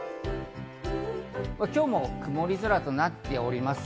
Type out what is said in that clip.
今日も曇り空となっております。